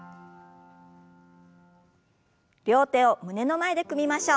両手を胸の前で組みましょう。